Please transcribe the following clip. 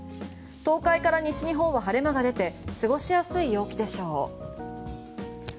東海から西日本は晴れ間が出て過ごしやすい陽気でしょう。